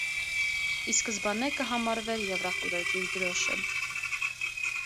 Ի սկզբանէ կը համարուէր Եւրախորհուրդի դրօշը։